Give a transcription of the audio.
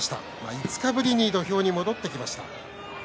５日ぶりに土俵に戻ってきました。